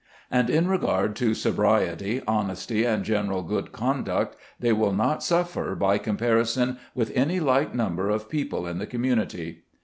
And in regard to sobri ety, honesty, and general good conduct, they will not suffer by comparison with any like number of people in the community.